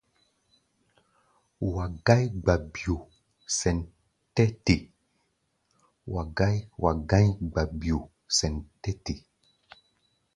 Wa gá̧í̧ gba-bi̧ɔ̧ sɛn tɛ́ te.